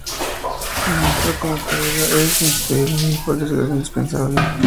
Un maestro como Careaga es insustituible y, por desgracia, indispensable.